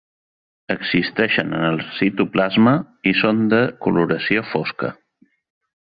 Existeixen en el citoplasma i són de coloració fosca.